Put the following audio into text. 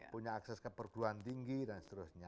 punya akses ke perguruan tinggi dan seterusnya